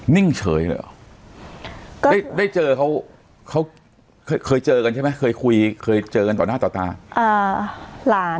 นิ่งเฉยเหรอได้เจอเขาเคยเจอกันใช่ไหมเคยคุยเคยเจอกันต่อหน้าต่อตา